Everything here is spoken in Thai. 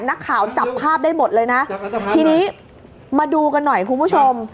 นักข่าวจับภาพได้หมดเลยนะทีนี้มาดูกันหน่อยคุณผู้ชม